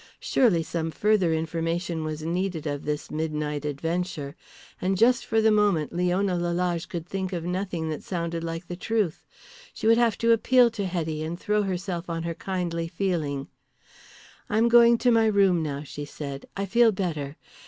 Surely some further information was needed of this midnight adventure! And just for the moment Leona Lalage could think of nothing that sounded like the truth. She would have to appeal to Hetty and throw herself on her kindly feeling. "I am going to my room now," she said. "I feel better.